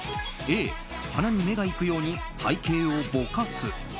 Ａ、花に目が行くように背景をぼかす。